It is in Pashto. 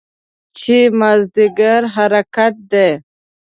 چې مازدیګر حرکت دی.